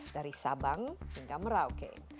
dari sabang hingga merauke